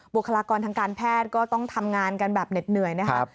คลากรทางการแพทย์ก็ต้องทำงานกันแบบเหน็ดเหนื่อยนะครับ